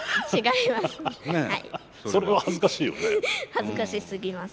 恥ずかしすぎます。